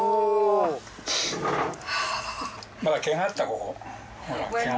まだ毛があったここ。